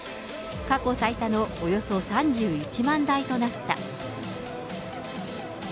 過去最多のおよそ３１万台となった。